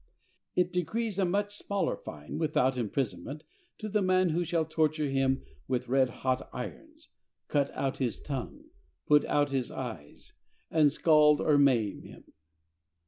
It decrees a much smaller fine, without imprisonment, to the man who shall torture him with red hot irons, cut out his tongue, put out his eyes, and scald or maim him.